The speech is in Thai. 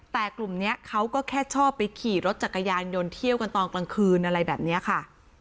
แต่กลุ่มนี้เขาก็แค่ชอบไปขี่รถจักรยานยนต์เที่ยวกันตอนกลางคืนอะไรแบบนี้ค่ะ